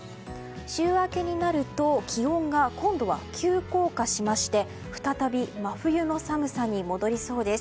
週明けになると気温が今度は急降下しまして再び真冬の寒さに戻りそうです。